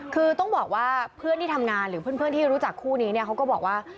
คือต้องบอกว่าเพื่อนที่ทำงานหรือเพื่อนที่รู้จักคู่นี้เนี่ยเขาก็บอกว่า